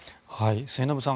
末延さん